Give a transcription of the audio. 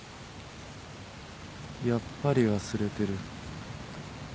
やっぱり忘れてる。